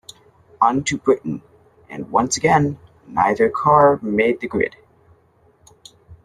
On to Britain and once again neither car made the grid.